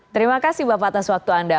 terima kasih bapak atas waktu anda